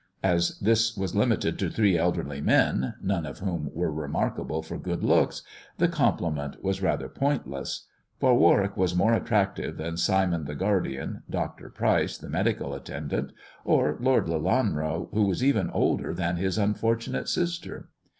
As this was limited to three elderly men, none of whom were remark able for good looks, the compliment was rather pointless ; for Warwick was more attractive than Simon the guardian. Dr. Pryce the medical attendant, or Lord Lelanro, who was even older than his unfortunate sister.